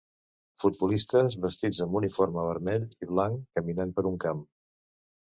Futbolistes vestits amb uniforme vermell i blanc caminant per un camp.